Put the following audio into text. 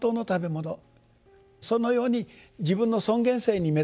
そのように自分の尊厳性に目覚めなさい。